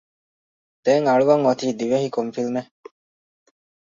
ދެން އަޅުވަން އޮތީ ދިވެހި ކޮން ފިލްމެއް؟